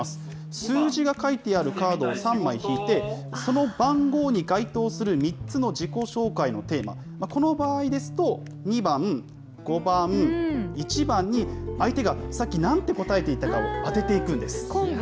数字が書いてあるカードを３枚引いて、その番号に該当する３つの自己紹介のテーマ、この場合ですと、２番、５番、１番に相手がさっきなんて答えていたかを当てていくんです。